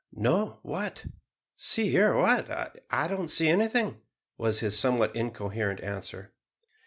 "No what? see, hear what? I don't see anything," was his somewhat incoherent answer.